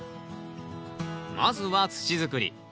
まずは土づくり。